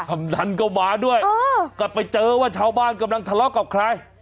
กำนันก็มาด้วยกลับไปเจอว่าชาวบ้านกำลังทะเลาะกับใคร